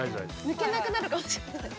抜けなくなるかもしれない。